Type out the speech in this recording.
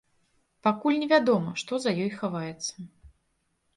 Пакуль невядома, што за ёй хаваецца.